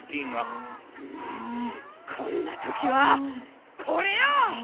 こんなときはこれよ！